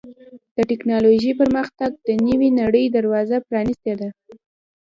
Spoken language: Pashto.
د ټکنالوجۍ پرمختګ د نوې نړۍ دروازه پرانستې ده.